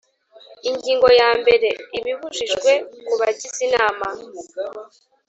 Ingingo ya mbere Ibibujijwe ku bagize Inama